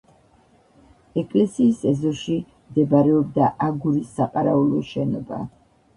ეკლესიის ეზოში მდებარეობდა აგურის საყარაულო შენობა.